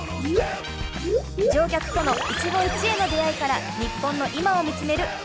乗客との一期一会の出会いから日本の今を見つめる「ひむバス！」